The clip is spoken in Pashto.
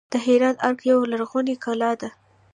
د هرات ارګ یوه لرغونې کلا ده